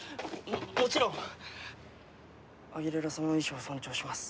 もちろんアギレラ様の意思は尊重します。